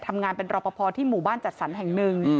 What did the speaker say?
ทำงานเป็นรอปภที่หมู่บ้านจัดสรรแห่งหนึ่ง